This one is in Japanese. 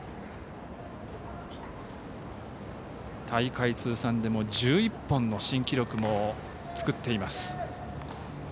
大会通算でも１１本の新記録も作っています。